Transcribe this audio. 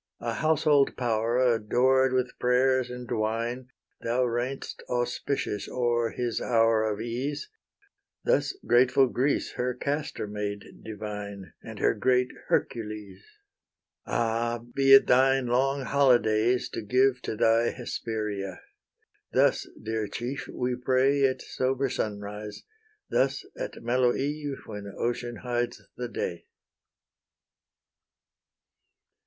A household power, adored with prayers and wine, Thou reign'st auspicious o'er his hour of ease: Thus grateful Greece her Castor made divine, And her great Hercules. Ah! be it thine long holydays to give To thy Hesperia! thus, dear chief, we pray At sober sunrise; thus at mellow eve, When ocean hides the day.